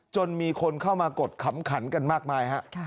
จนมีคนเข้ามากดขำขันกันมากมายฮะ